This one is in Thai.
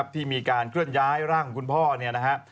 ที่มีการเคลื่อนย้ายร่างของคุณพ่อ